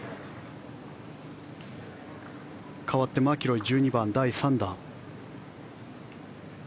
かわってマキロイの１２番、第３打。